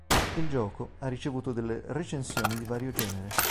Il gioco ha ricevuto delle recensioni di vario genere.